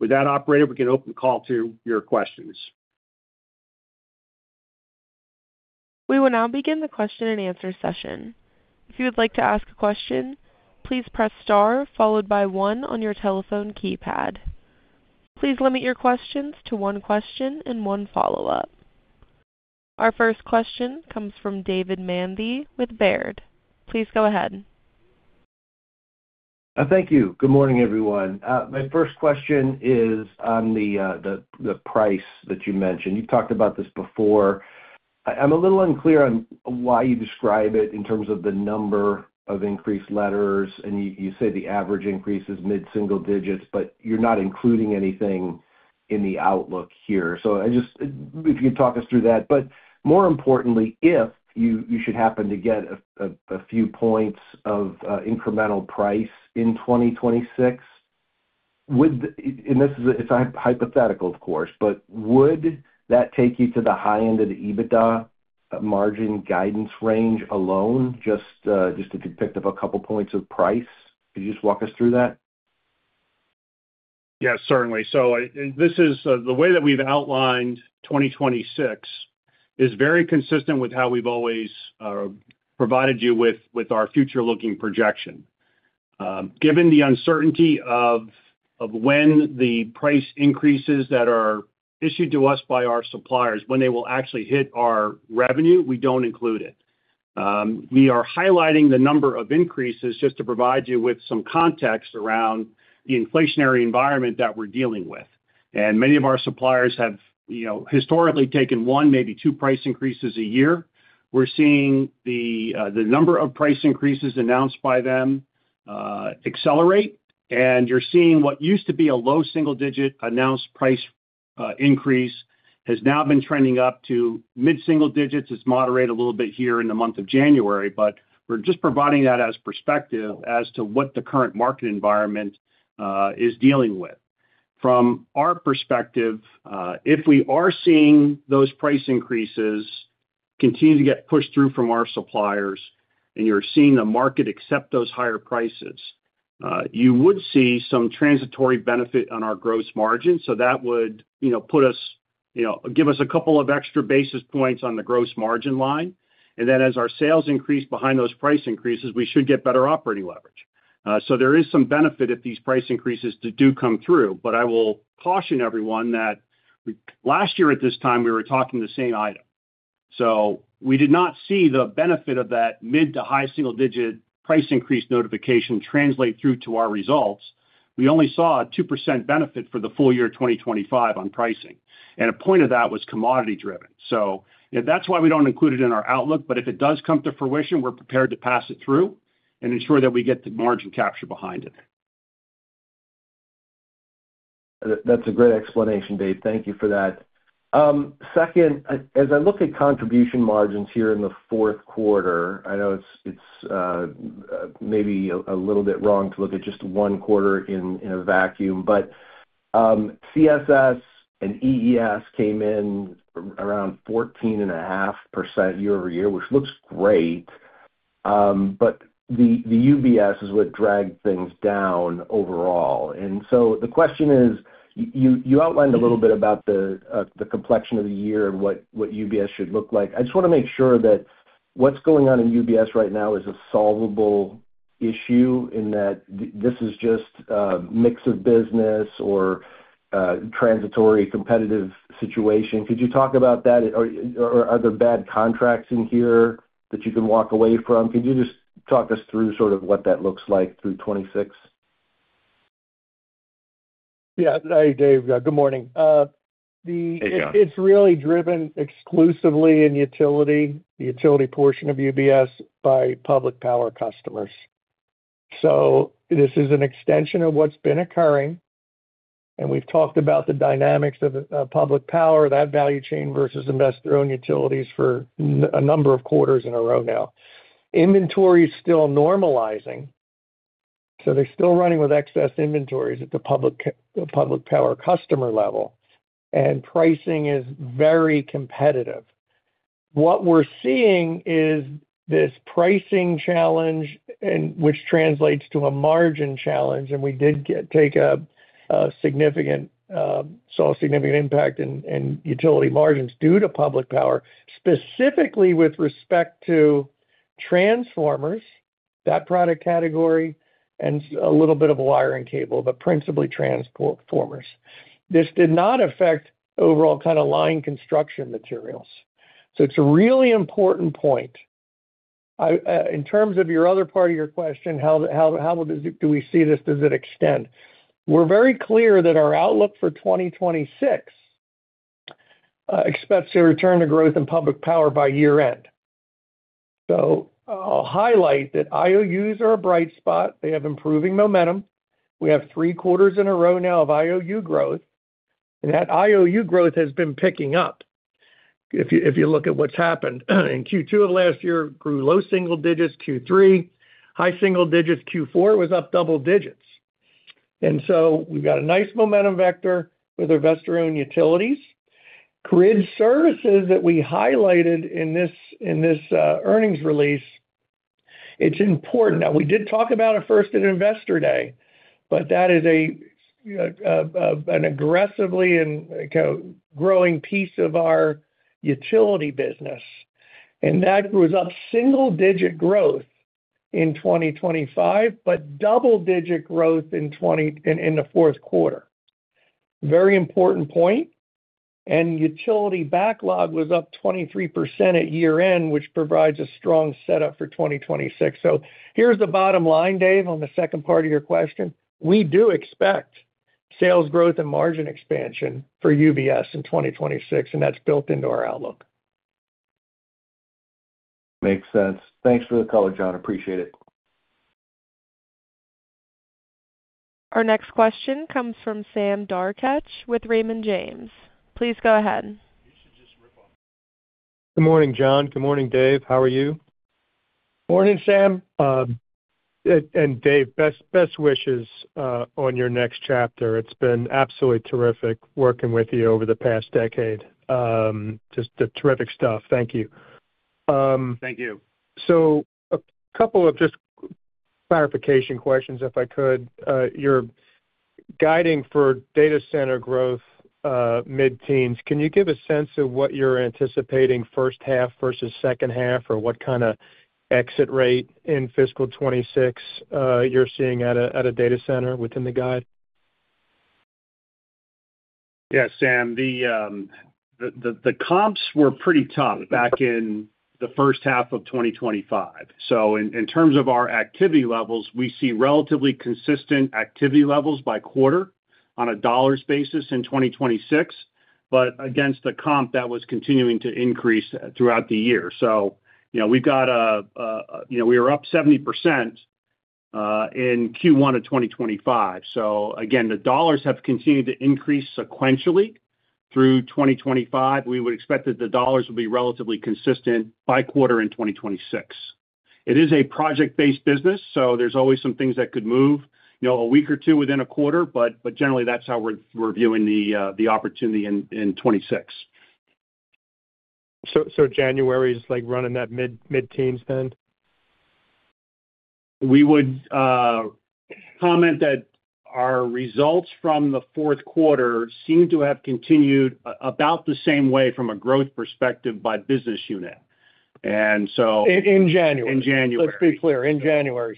With that, operator, we can open the call to your questions. We will now begin the question-and-answer session. If you would like to ask a question, please press star followed by 1 on your telephone keypad. Please limit your questions to one question and one follow-up. Our first question comes from David Manthey with Baird. Please go ahead. Thank you. Good morning, everyone. My first question is on the price that you mentioned. You've talked about this before. I'm a little unclear on why you describe it in terms of the number of increased letters, and you say the average increase is mid-single digits, but you're not including anything in the outlook here. So if you could talk us through that. But more importantly, if you should happen to get a few points of incremental price in 2026, and this is hypothetical, of course, but would that take you to the high end of the EBITDA margin guidance range alone, just if you picked up a couple points of price? Could you just walk us through that? Yes, certainly. So the way that we've outlined 2026 is very consistent with how we've always provided you with our future-looking projection. Given the uncertainty of when the price increases that are issued to us by our suppliers, when they will actually hit our revenue, we don't include it. We are highlighting the number of increases just to provide you with some context around the inflationary environment that we're dealing with. And many of our suppliers have historically taken 1, maybe 2 price increases a year. We're seeing the number of price increases announced by them accelerate, and you're seeing what used to be a low single-digit announced price increase has now been trending up to mid-single digits. It's moderated a little bit here in the month of January, but we're just providing that as perspective as to what the current market environment is dealing with. From our perspective, if we are seeing those price increases continue to get pushed through from our suppliers and you're seeing the market accept those higher prices, you would see some transitory benefit on our gross margin. So that would give us a couple of extra basis points on the gross margin line. Then as our sales increase behind those price increases, we should get better operating leverage. So there is some benefit if these price increases do come through, but I will caution everyone that last year at this time, we were talking the same item. So we did not see the benefit of that mid- to high-single-digit price increase notification translate through to our results. We only saw a 2% benefit for the full year 2025 on pricing. And a point of that was commodity-driven. So that's why we don't include it in our outlook. But if it does come to fruition, we're prepared to pass it through and ensure that we get the margin capture behind it. That's a great explanation, Dave. Thank you for that. Second, as I look at contribution margins here in the fourth quarter, I know it's maybe a little bit wrong to look at just one quarter in a vacuum, but CSS and EES came in around 14.5% year-over-year, which looks great. But the UBS is what dragged things down overall. And so the question is, you outlined a little bit about the complexion of the year and what UBS should look like. I just want to make sure that what's going on in UBS right now is a solvable issue in that this is just a mix of business or transitory competitive situation. Could you talk about that? Are there bad contracts in here that you can walk away from? Could you just talk us through sort of what that looks like through 2026? Yeah. Hi, Dave. Good morning. It's really driven exclusively in utility, the utility portion of UBS, by Public Power customers. So this is an extension of what's been occurring. And we've talked about the dynamics of Public Power, that value chain versus Investor-Owned Utilities for a number of quarters in a row now. Inventory is still normalizing. So they're still running with excess inventories at the Public Power customer level, and pricing is very competitive. What we're seeing is this pricing challenge, which translates to a margin challenge. And we did take a significant impact in utility margins due to Public Power, specifically with respect to transformers, that product category, and a little bit of wire and cable, but principally transformers. This did not affect overall kind of line construction materials. So it's a really important point. In terms of your other part of your question, how do we see this? Does it extend? We're very clear that our outlook for 2026 expects a return to growth in Public Power by year-end. So I'll highlight that IOUs are a bright spot. They have improving momentum. We have 3 quarters in a row now of IOU growth. And that IOU growth has been picking up. If you look at what's happened, in Q2 of last year, grew low single digits. Q3, high single digits. Q4 was up double digits. And so we've got a nice momentum vector with Investor-Owned Utilities. Grid Services that we highlighted in this earnings release, it's important now. We did talk about it first at Investor Day, but that is an aggressively growing piece of our utility business. And that was up single-digit growth in 2025, but double-digit growth in the fourth quarter. Very important point. Utility backlog was up 23% at year-end, which provides a strong setup for 2026. So here's the bottom line, Dave, on the second part of your question. We do expect sales growth and margin expansion for UBS in 2026, and that's built into our outlook. Makes sense. Thanks for the call, John. Appreciate it. Our next question comes from Sam Darkatsh with Raymond James. Please go ahead. You should just rip off. Good morning, John. Good morning, Dave. How are you? Morning, Sam. And Dave, best wishes on your next chapter. It's been absolutely terrific working with you over the past decade. Just terrific stuff. Thank you. Thank you.` So a couple of just clarification questions, if I could. You're guiding for data center growth mid-teens. Can you give a sense of what you're anticipating first half versus second half, or what kind of exit rate in fiscal 2026 you're seeing at a data center within the guide? Yes, Sam. The comps were pretty tough back in the first half of 2025. So in terms of our activity levels, we see relatively consistent activity levels by quarter on a dollars basis in 2026, but against the comp, that was continuing to increase throughout the year. So we've got we are up 70% in Q1 of 2025. So again, the dollars have continued to increase sequentially through 2025. We would expect that the dollars will be relatively consistent by quarter in 2026. It is a project-based business, so there's always some things that could move a week or two within a quarter, but generally, that's how we're viewing the opportunity in 2026. So January is running that mid-teens then? We would comment that our results from the fourth quarter seem to have continued about the same way from a growth perspective by business unit. So in January, let's be clear,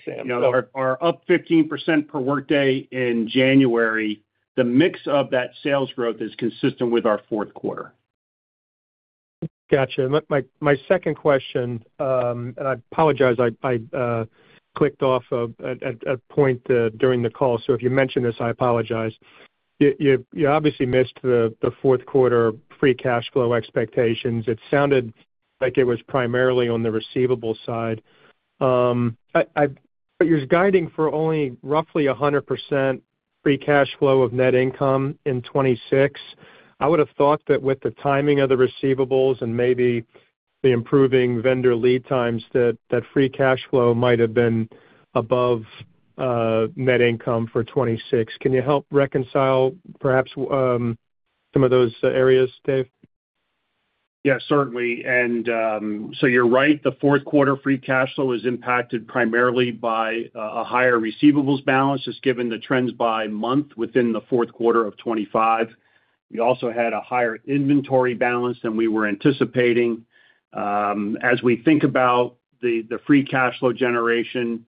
Sam. So we're up 15% per workday in January, the mix of that sales growth is consistent with our fourth quarter. Gotcha. My second question, and I apologize, I clicked off at a point during the call. So if you mentioned this, I apologize. You obviously missed the fourth quarter free cash flow expectations. It sounded like it was primarily on the receivable side. But you're guiding for only roughly 100% free cash flow of net income in 2026. I would have thought that with the timing of the receivables and maybe the improving vendor lead times, that free cash flow might have been above net income for 2026. Can you help reconcile perhaps some of those areas, Dave? Yes, certainly. And so you're right. The fourth quarter free cash flow was impacted primarily by a higher receivables balance, just given the trends by month within the fourth quarter of 2025. We also had a higher inventory balance than we were anticipating. As we think about the free cash flow generation,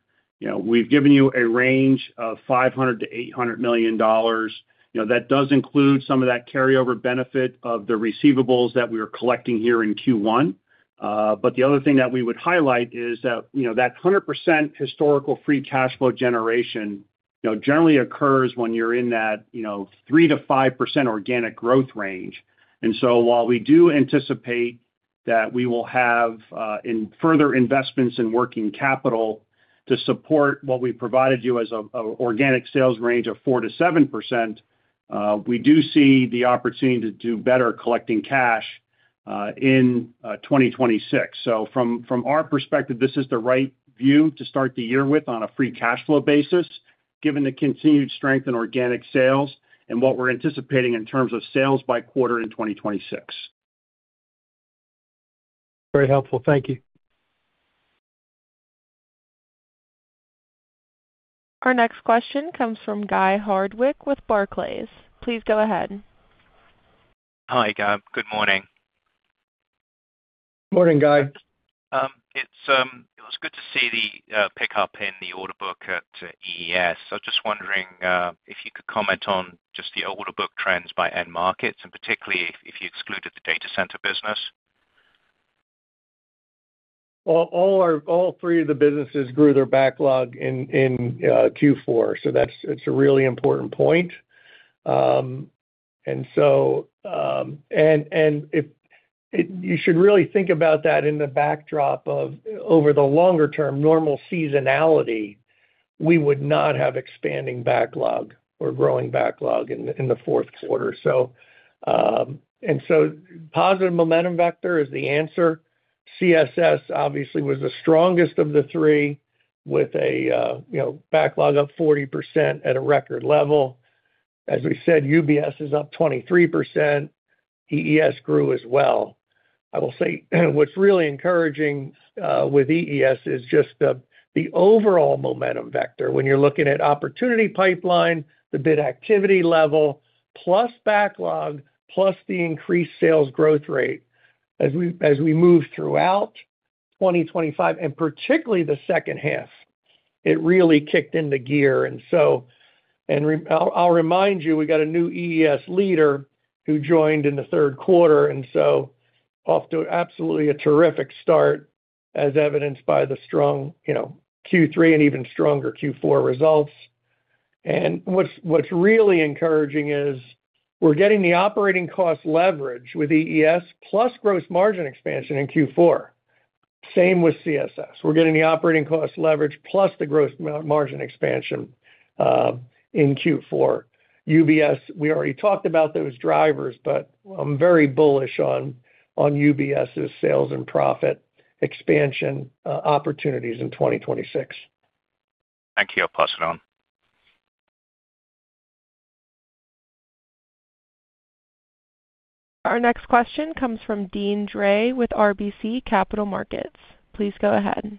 we've given you a range of $500 million-$800 million. That does include some of that carryover benefit of the receivables that we were collecting here in Q1. But the other thing that we would highlight is that that 100% historical free cash flow generation generally occurs when you're in that 3% to 5% organic growth range. So while we do anticipate that we will have further investments in working capital to support what we provided you as an organic sales range of 4% to 7%, we do see the opportunity to do better collecting cash in 2026. From our perspective, this is the right view to start the year with on a free cash flow basis, given the continued strength in organic sales and what we're anticipating in terms of sales by quarter in 2026. Very helpful. Thank you. Our next question comes from Guy Hardwick with Barclays. Please go ahead. Hi, Guy. Good morning. Morning, Guy. It was good to see the pickup in the order book at EES. I was just wondering if you could comment on just the order book trends by end markets, and particularly if you excluded the data center business. All three of the businesses grew their backlog in Q4. So it's a really important point. You should really think about that in the backdrop of, over the longer term, normal seasonality, we would not have expanding backlog or growing backlog in the fourth quarter. So positive momentum vector is the answer. CSS, obviously, was the strongest of the three with a backlog up 40% at a record level. As we said, UBS is up 23%. EES grew as well. I will say what's really encouraging with EES is just the overall momentum vector when you're looking at opportunity pipeline, the bid activity level, plus backlog, plus the increased sales growth rate. As we move throughout 2025, and particularly the second half, it really kicked into gear. And I'll remind you, we got a new EES leader who joined in the third quarter. And so off to absolutely a terrific start, as evidenced by the strong Q3 and even stronger Q4 results. And what's really encouraging is we're getting the operating cost leverage with EES plus gross margin expansion in Q4. Same with CSS. We're getting the operating cost leverage plus the gross margin expansion in Q4. UBS, we already talked about those drivers, but I'm very bullish on UBS's sales and profit expansion opportunities in 2026. Thank you, Akash Khurana. Our next question comes from Deane Dray with RBC Capital Markets. Please go ahead.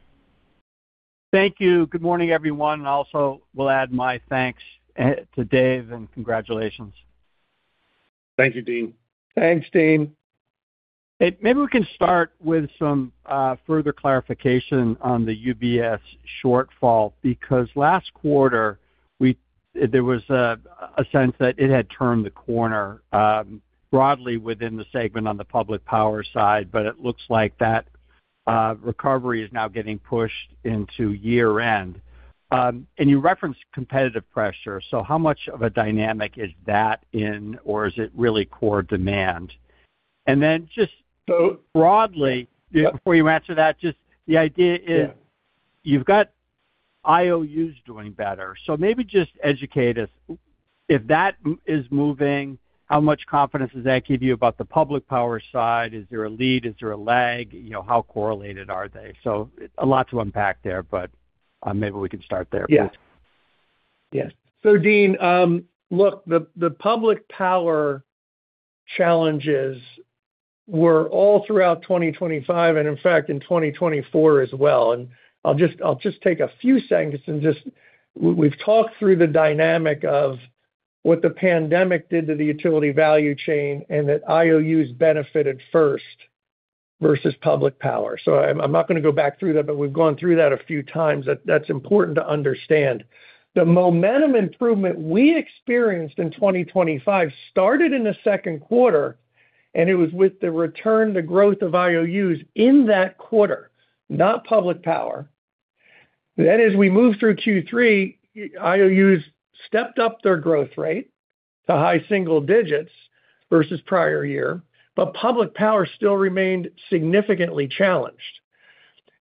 Thank you. Good morning, everyone. And also, we'll add my thanks to Dave and congratulations. Thank you, Deane. Thanks, Deane. Maybe we can start with some further clarification on the UBS shortfall because last quarter, there was a sense that it had turned the corner broadly within the segment on the public power side, but it looks like that recovery is now getting pushed into year-end. And you referenced competitive pressure. So how much of a dynamic is that in, or is it really core demand? And then just broadly, before you answer that, just the idea is you've got IOUs doing better. So maybe just educate us, if that is moving, how much confidence does that give you about the public power side? Is there a lead? Is there a lag? How correlated are they? So a lot to unpack there, but maybe we can start there. Yes. So, Deane, look, the public power challenges were all throughout 2025 and, in fact, in 2024 as well. I'll just take a few seconds and just we've talked through the dynamic of what the pandemic did to the utility value chain and that IOUs benefited first versus Public Power. So I'm not going to go back through that, but we've gone through that a few times. That's important to understand. The momentum improvement we experienced in 2025 started in the second quarter, and it was with the return to growth of IOUs in that quarter, not Public Power. Then as we moved through Q3, IOUs stepped up their growth rate to high single digits versus prior year, but Public Power still remained significantly challenged.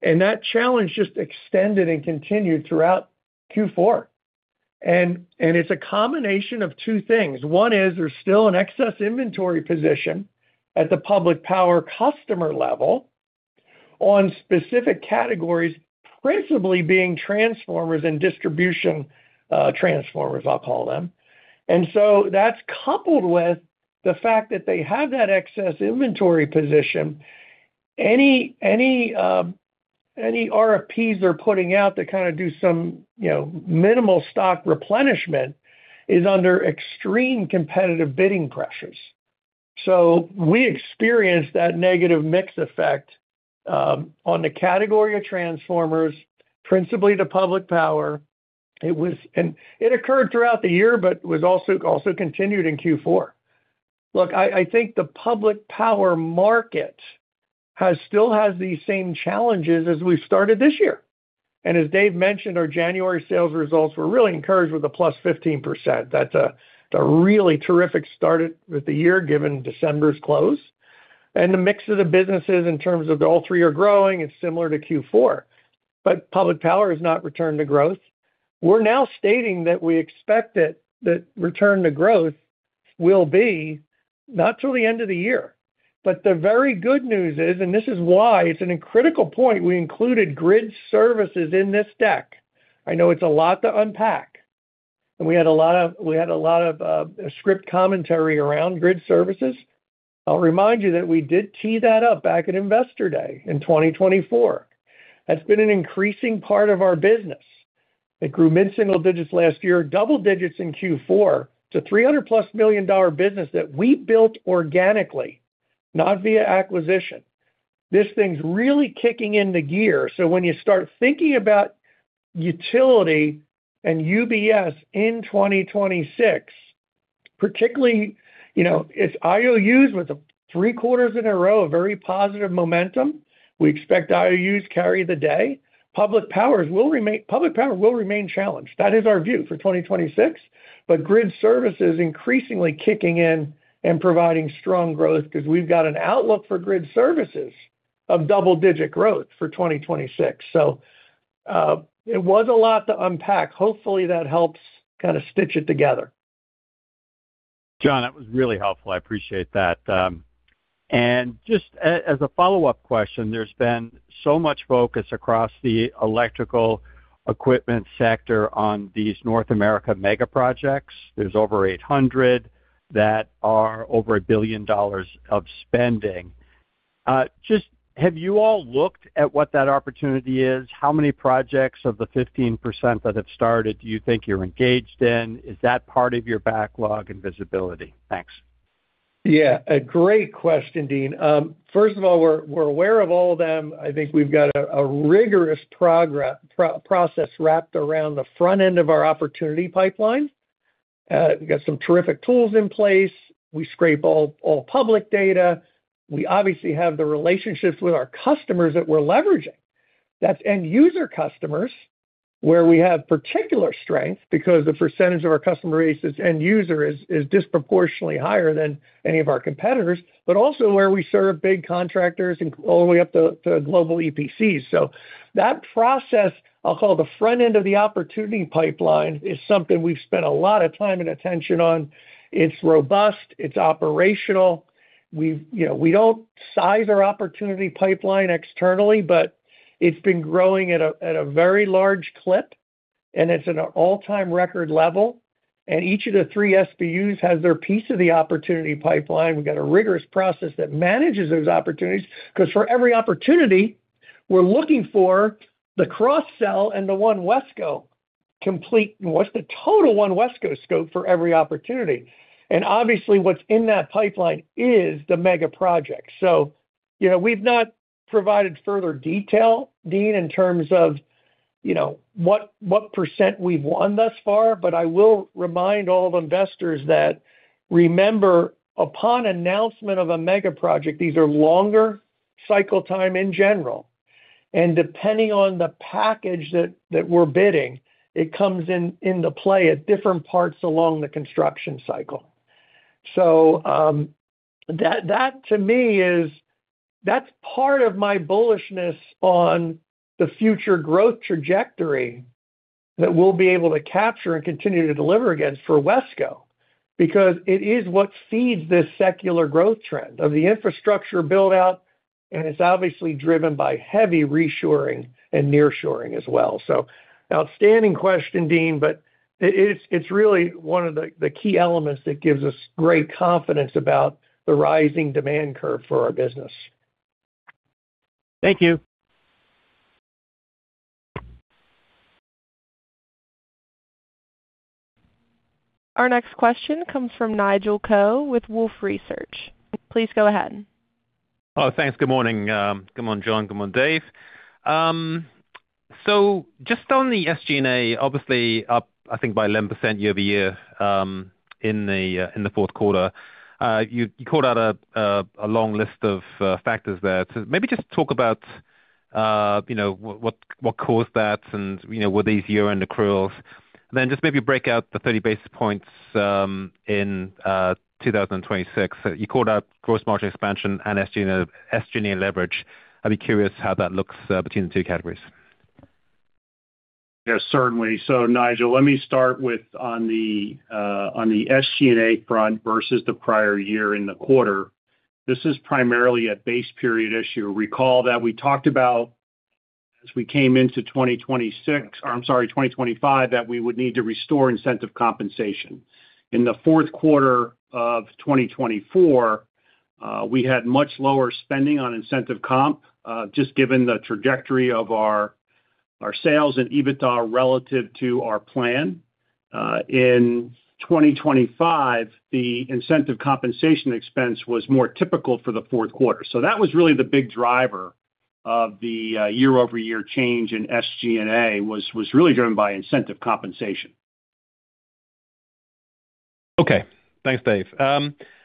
And that challenge just extended and continued throughout Q4. And it's a combination of two things. One is there's still an excess inventory position at the Public Power customer level on specific categories, principally being transformers and distribution transformers, I'll call them. So that's coupled with the fact that they have that excess inventory position. Any RFPs they're putting out to kind of do some minimal stock replenishment is under extreme competitive bidding pressures. So we experienced that negative mix effect on the category of transformers, principally the Public Power. And it occurred throughout the year, but was also continued in Q4. Look, I think the Public Power market still has these same challenges as we've started this year. And as Dave mentioned, our January sales results were really encouraged with a +15%. That's a really terrific start of the year given December's close. And the mix of the businesses in terms of all three are growing. It's similar to Q4, but Public Power has not returned to growth. We're now stating that we expect that return to growth will be not till the end of the year. But the very good news is, and this is why it's a critical point, we included grid services in this deck. I know it's a lot to unpack, and we had a lot of script commentary around grid services. I'll remind you that we did tee that up back at Investor Day in 2024. That's been an increasing part of our business. It grew mid-single digits last year, double digits in Q4 to $300+ million business that we built organically, not via acquisition. This thing's really kicking into gear. So when you start thinking about utility and UBS in 2026, particularly its IOUs with three quarters in a row, a very positive momentum. We expect IOUs to carry the day. Public power will remain challenged. That is our view for 2026. But grid services are increasingly kicking in and providing strong growth because we've got an outlook for grid services of double-digit growth for 2026. So it was a lot to unpack. Hopefully, that helps kind of stitch it together. John, that was really helpful. I appreciate that. And just as a follow-up question, there's been so much focus across the electrical equipment sector on these North America mega projects. There's over 800 that are over $1 billion of spending. Just have you all looked at what that opportunity is? How many projects of the 15% that have started do you think you're engaged in? Is that part of your backlog and visibility? Thanks. Yeah, a great question, Deane. First of all, we're aware of all of them. I think we've got a rigorous process wrapped around the front end of our opportunity pipeline. We've got some terrific tools in place. We scrape all public data. We obviously have the relationships with our customers that we're leveraging. That's end-user customers where we have particular strength because the percentage of our customer base is end-user is disproportionately higher than any of our competitors, but also where we serve big contractors all the way up to global EPCs. So that process, I'll call it the front end of the opportunity pipeline, is something we've spent a lot of time and attention on. It's robust. It's operational. We don't size our opportunity pipeline externally, but it's been growing at a very large clip, and it's at an all-time record level. And each of the three SBUs has their piece of the opportunity pipeline. We've got a rigorous process that manages those opportunities because for every opportunity, we're looking for the cross-sell and the One WESCO complete. What's the total One WESCO scope for every opportunity? And obviously, what's in that pipeline is the mega project. So we've not provided further detail, Deane, in terms of what percent we've won thus far. But I will remind all of investors that remember, upon announcement of a mega project, these are longer cycle time in general. And depending on the package that we're bidding, it comes in the play at different parts along the construction cycle. So that, to me, is part of my bullishness on the future growth trajectory that we'll be able to capture and continue to deliver against for Wesco because it is what feeds this secular growth trend of the infrastructure buildout. And it's obviously driven by heavy reshoring and nearshoring as well. So outstanding question, Deane, but it's really one of the key elements that gives us great confidence about the rising demand curve for our business. Thank you. Our next question comes from Nigel Coe with Wolfe Research. Please go ahead. Oh, thanks. Good morning. Good morning, John. Good morning, Dave. So just on the SG&A, obviously, up, I think, by 11% year-over-year in the fourth quarter, you called out a long list of factors there. So maybe just talk about what caused that and were these year-end accruals. And then just maybe break out the 30 basis points in 2026. You called out gross margin expansion and SG&A leverage. I'd be curious how that looks between the two categories. Yes, certainly. So, Nigel, let me start with on the SG&A front versus the prior year in the quarter. This is primarily a base period issue. Recall that we talked about as we came into 2026 or, I'm sorry, 2025, that we would need to restore incentive compensation. In the fourth quarter of 2024, we had much lower spending on incentive comp just given the trajectory of our sales and EBITDA relative to our plan. In 2025, the incentive compensation expense was more typical for the fourth quarter. So that was really the big driver of the year-over-year change in SG&A, was really driven by incentive compensation. Okay. Thanks, Dave.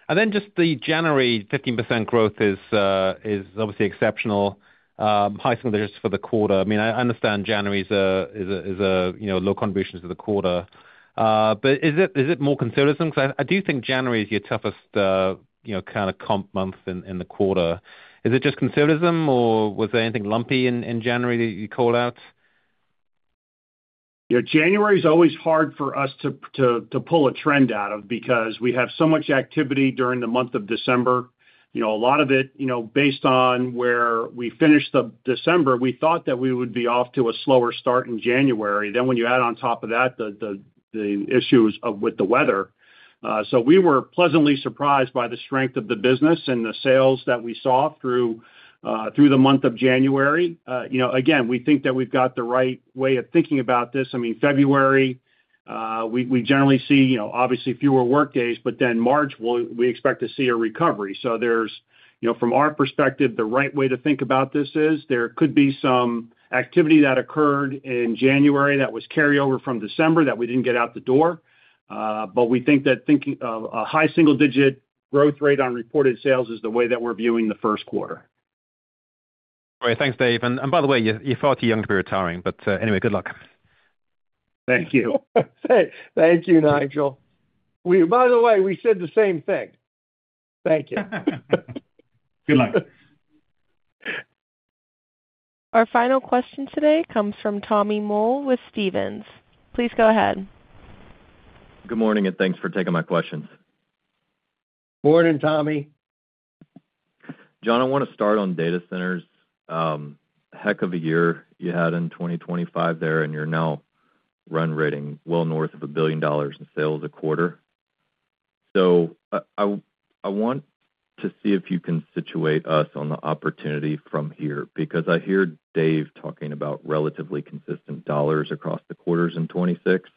And then just the January 15% growth is obviously exceptional, high single digits for the quarter. I mean, I understand January is a low contribution to the quarter, but is it more conservatism? Because I do think January is your toughest kind of comp month in the quarter. Is it just conservatism, or was there anything lumpy in January that you called out? Yeah, January is always hard for us to pull a trend out of because we have so much activity during the month of December, a lot of it based on where we finished December. We thought that we would be off to a slower start in January. Then when you add on top of that the issues with the weather. So we were pleasantly surprised by the strength of the business and the sales that we saw through the month of January. Again, we think that we've got the right way of thinking about this. I mean, February, we generally see, obviously, fewer workdays, but then March, we expect to see a recovery. So from our perspective, the right way to think about this is there could be some activity that occurred in January that was carried over from December that we didn't get out the door. But we think that thinking of a high single-digit growth rate on reported sales is the way that we're viewing the first quarter. Great. Thanks, Dave. And by the way, you're far too young to be retiring. But anyway, good luck. Thank you. Thank you, Nigel. By the way, we said the same thing. Thank you. Good luck. Our final question today comes from Tommy Moll with Stephens. Please go ahead. Good morning, and thanks for taking my questions. Morning, Tommy. John, I want to start on data centers. Heck of a year you had in 2025 there, and you're now run rating well north of $1 billion in sales a quarter. So I want to see if you can situate us on the opportunity from here because I hear Dave talking about relatively consistent dollars across the quarters in 2026.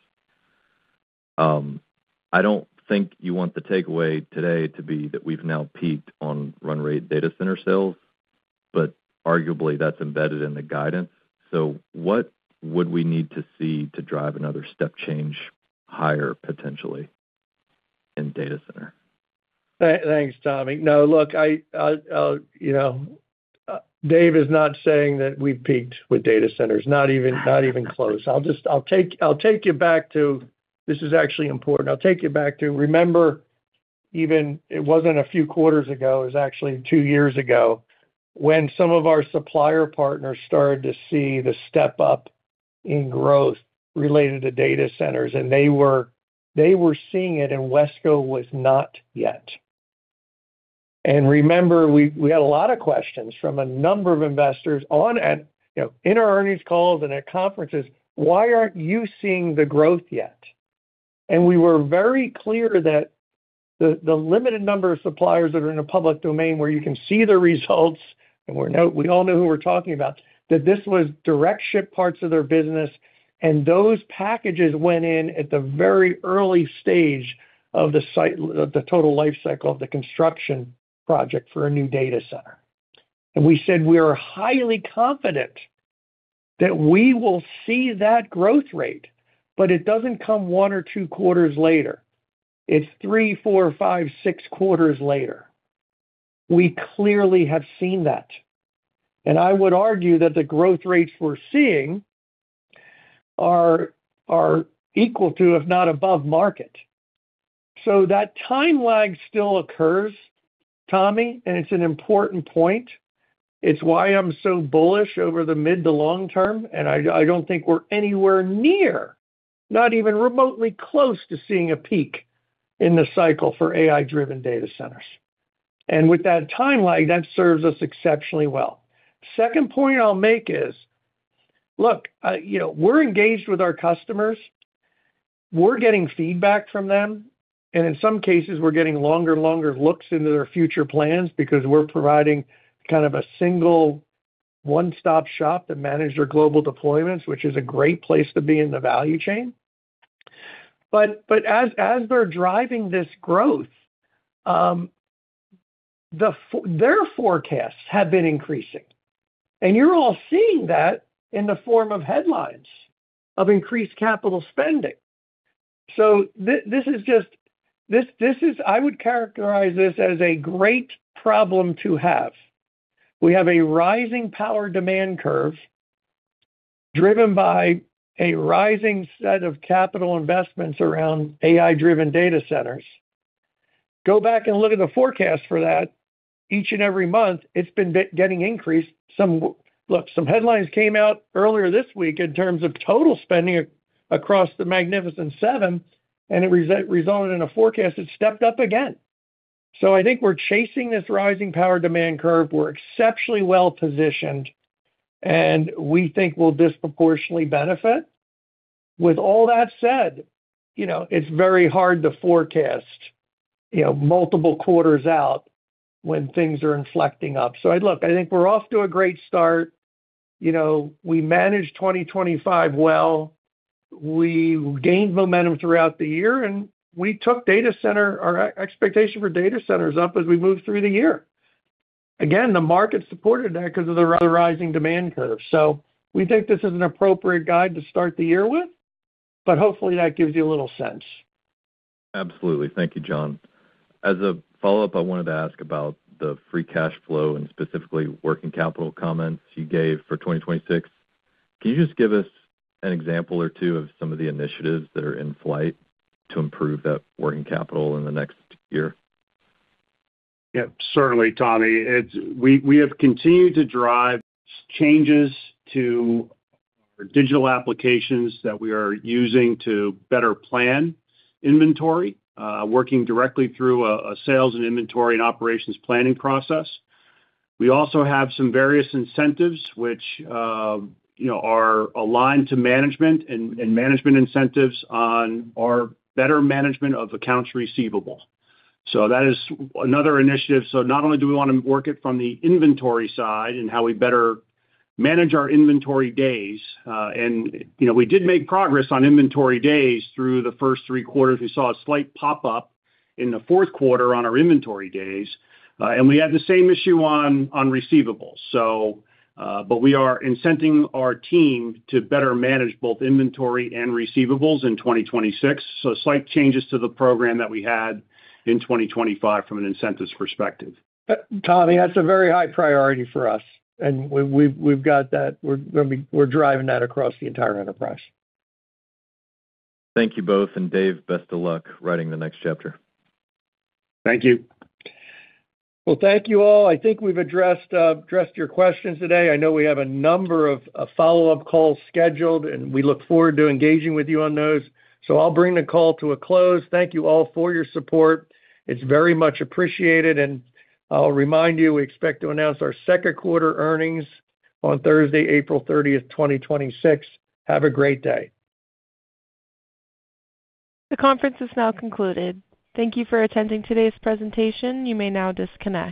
I don't think you want the takeaway today to be that we've now peaked on run rate data center sales, but arguably, that's embedded in the guidance. So what would we need to see to drive another step change higher, potentially, in data center? Thanks, Tommy. No, look, Dave is not saying that we've peaked with data centers, not even close. I'll take you back to this is actually important. I'll take you back to remember, even it wasn't a few quarters ago. It was actually two years ago when some of our supplier partners started to see the step up in growth related to data centers, and they were seeing it, and Wesco was not yet. And remember, we had a lot of questions from a number of investors in our earnings calls and at conferences, "Why aren't you seeing the growth yet?" And we were very clear that the limited number of suppliers that are in the public domain where you can see the results and we all know who we're talking about, that this was direct ship parts of their business, and those packages went in at the very early stage of the total life cycle of the construction project for a new data center. And we said we are highly confident that we will see that growth rate, but it doesn't come one or two quarters later. It's three, four, five, six quarters later. We clearly have seen that. And I would argue that the growth rates we're seeing are equal to, if not above, market. So that time lag still occurs, Tommy, and it's an important point. It's why I'm so bullish over the mid to long term. And I don't think we're anywhere near, not even remotely close to seeing a peak in the cycle for AI-driven data centers. And with that time lag, that serves us exceptionally well. Second point I'll make is, look, we're engaged with our customers. We're getting feedback from them. And in some cases, we're getting longer and longer looks into their future plans because we're providing kind of a single one-stop shop that manages their global deployments, which is a great place to be in the value chain. But as they're driving this growth, their forecasts have been increasing, and you're all seeing that in the form of headlines of increased capital spending. So this is just I would characterize this as a great problem to have. We have a rising power demand curve driven by a rising set of capital investments around AI-driven data centers. Go back and look at the forecast for that. Each and every month, it's been getting increased. Look, some headlines came out earlier this week in terms of total spending across the Magnificent Seven, and it resulted in a forecast that stepped up again. So I think we're chasing this rising power demand curve. We're exceptionally well positioned, and we think we'll disproportionately benefit. With all that said, it's very hard to forecast multiple quarters out when things are inflecting up. So look, I think we're off to a great start. We managed 2025 well. We gained momentum throughout the year, and we took data center our expectation for data centers up as we moved through the year. Again, the market supported that because of the rising demand curve. So we think this is an appropriate guide to start the year with, but hopefully, that gives you a little sense. Absolutely. Thank you, John. As a follow-up, I wanted to ask about the free cash flow and specifically working capital comments you gave for 2026. Can you just give us an example or two of some of the initiatives that are in flight to improve that working capital in the next year? Yep, certainly, Tommy. We have continued to drive changes to our digital applications that we are using to better plan inventory, working directly through a sales and inventory and operations planning process. We also have some various incentives, which are aligned to management and management incentives on our better management of accounts receivable. So that is another initiative. So not only do we want to work it from the inventory side and how we better manage our inventory days, and we did make progress on inventory days through the first three quarters. We saw a slight pop-up in the fourth quarter on our inventory days, and we had the same issue on receivables. But we are incenting our team to better manage both inventory and receivables in 2026. So slight changes to the program that we had in 2025 from an incentives perspective. Tommy, that's a very high priority for us, and we've got that. We're driving that across the entire enterprise. Thank you both, and Dave, best of luck writing the next chapter. Thank you. Well, thank you all. I think we've addressed your questions today. I know we have a number of follow-up calls scheduled, and we look forward to engaging with you on those. I'll bring the call to a close. Thank you all for your support. It's very much appreciated. I'll remind you, we expect to announce our second quarter earnings on Thursday, April 30th, 2026. Have a great day. The conference is now concluded. Thank you for attending today's presentation. You may now disconnect.